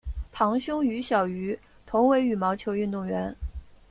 堂兄于小渝同为羽毛球运动员。